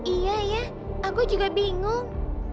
iya ya aku juga bingung